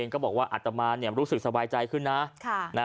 ก็บอกว่าอัตมารู้สึกสบายใจขึ้นนะ